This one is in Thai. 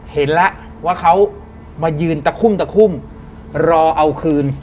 เห็นแล้วว่าเขามายืนตะคุ่มตะคุ่มรอเอาคืน